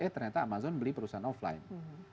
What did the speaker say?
eh ternyata amazon beli perusahaan offline